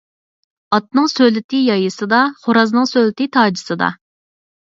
ئاتنىڭ سۆلىتى يايىسىدا، خورازنىڭ سۆلىتى تاجىسىدا.